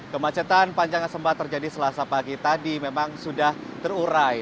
kemacetan panjang yang sempat terjadi selasa pagi tadi memang sudah terurai